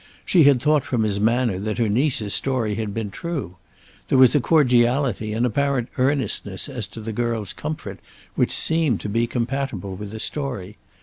She had thought from his manner that her niece's story had been true. There was a cordiality and apparent earnestness as to the girl's comfort which seemed to be compatible with the story.